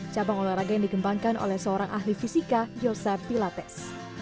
cabang olahraga yang dikembangkan oleh seorang ahli fisika yosep pilates